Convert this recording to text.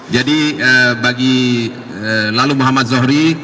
jadi bagi lalu muhammad zohri